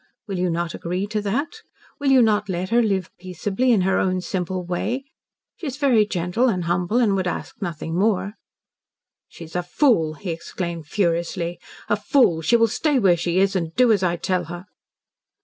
Will you not agree to that? Will you not let her live peaceably in her own simple way? She is very gentle and humble and would ask nothing more." "She is a fool!" he exclaimed furiously. "A fool! She will stay where she is and do as I tell her."